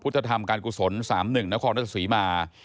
พุทธธรรมการกุศลสามหนึ่งนครรศศรีมา